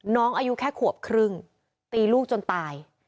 น้องอายุแค่ขวบครึ่งตีลูกจนตาย